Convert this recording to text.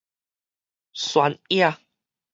萱野